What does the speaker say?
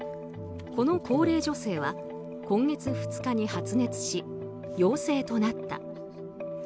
この高齢女性は今月２日に発熱し陽性となった。